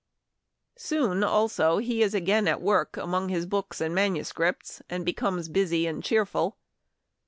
Soon, also, he is again at work among his books and manuscripts, and becomes busy and cheerful.